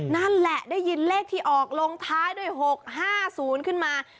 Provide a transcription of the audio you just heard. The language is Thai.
นั่นแหละได้ยินเลขที่ออกลงท้ายด้วย๖๕๐ขึ้นมา